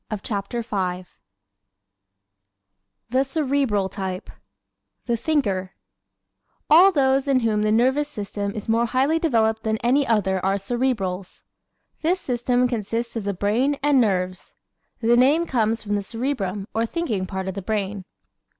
_ CHAPTER V The Cerebral Type "The Thinker" All those in whom the nervous system is more highly developed than any other are Cerebrals. This system consists of the brain and nerves. The name comes from the cerebrum or thinking part of the brain.